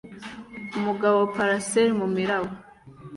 Umugabo parasail mumiraba